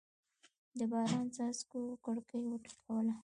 د باران څاڅکو کړکۍ وټکوله.